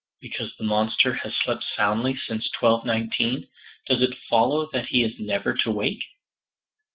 Because the monster has slept soundly since 1219, does it follow that he is never to wake?